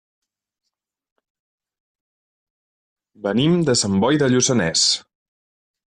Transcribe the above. Venim de Sant Boi de Lluçanès.